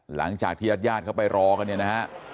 หลังจากที่ญาติญาติเขาไปรอกันเนี่ยนะฮะ